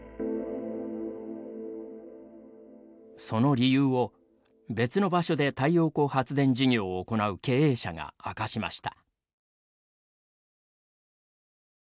その理由を別の場所で太陽光発電事業を行う経営者が明かしました。